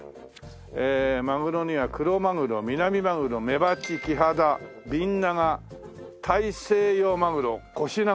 マグロにはクロマグロミナミマグロメバチキハダビンナガタイセイヨウマグロコシナガ。